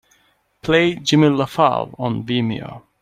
Play Jimmy Lafave on Vimeo.